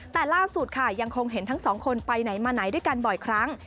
แต่ล่าสุดค่ะยังคงเห็นทั้งสองคนไปไหนมาไหนด้วยกันบ่อยครั้ง